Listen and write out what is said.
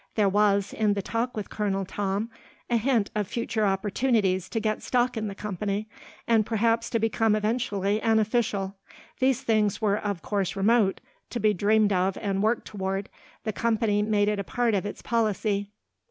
There was, in the talk with Colonel Tom, a hint of future opportunities to get stock in the company and perhaps to become eventually an official these things were of course remote to be dreamed of and worked toward the company made it a part of its policy.